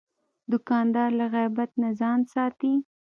دوکاندار له غیبت نه ځان ساتي.